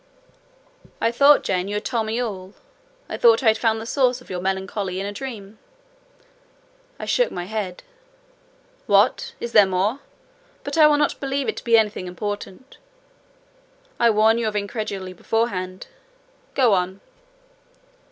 "I thought, Jane, you had told me all. I thought I had found the source of your melancholy in a dream." I shook my head. "What! is there more? But I will not believe it to be anything important. I warn you of incredulity beforehand. Go on."